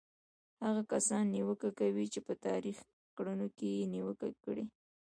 هغه کسان نیوکه کوي چې په تاریخي کړنو کې یې نیوکه کړې.